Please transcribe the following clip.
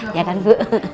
iya kan bu